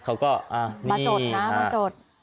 เขาก็มาจดนะมาจด